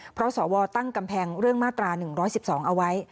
เพราะสอวตั้งกำแพงเรื่องมาตราหนึ่งร้อยสิบสองเอาไว้